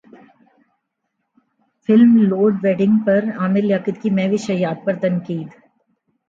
film Load Wedding پر عامر لیاقت کی مہوش حیات پر تنقید